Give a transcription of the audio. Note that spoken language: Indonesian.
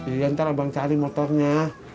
iya ntar abang cari motornya